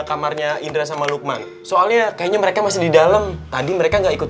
kamarnya indra sama lukman soalnya kayaknya mereka masih di dalam tadi mereka nggak ikut